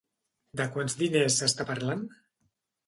De quants diners s'està parlant?